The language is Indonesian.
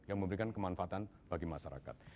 yang memberikan kemanfaatan bagi masyarakat